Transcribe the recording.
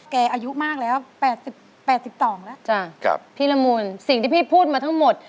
แกอายุมากแล้วแปดสิบแปดสิบต่องแล้วจ้ะครับพี่ระมูลสิ่งที่พี่พูดมาทั้งหมด